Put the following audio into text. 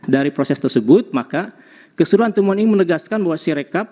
dari proses tersebut maka keseruan temuan ini menegaskan bahwa sirekap